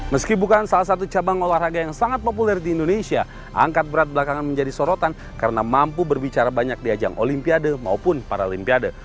meski bukan salah satu cabang olahraga yang sangat populer di indonesia angkat berat belakangan menjadi sorotan karena mampu berbicara banyak di ajang olimpiade maupun paralimpiade